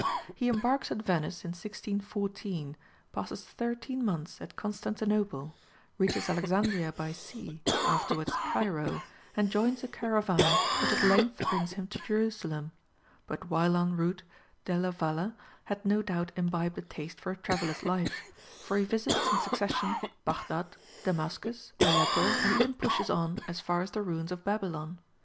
He embarks at Venice in 1614, passes thirteen months at Constantinople, reaches Alexandria by sea, afterwards Cairo, and joins a caravan which at length brings him to Jerusalem. But while en route, Delia Valle had no doubt imbibed a taste for a traveller's life, for he visits in succession Baghdad, Damascus, Aleppo, and even pushes on as far as the ruins of Babylon.